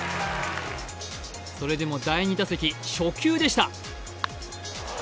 それでも第２打席初球でした。